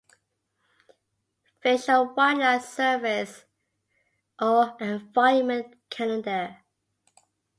Fish and Wildlife Service or Environment Canada.